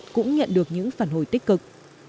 cũng nhận được những phản hồi tích cực